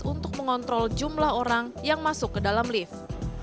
untuk mengontrol jumlah orang yang masuk ke dalam lift